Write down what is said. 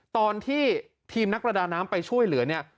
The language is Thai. ตอนที่ทีมนักประดาน้ำไปช่วยเหลือเนี่ย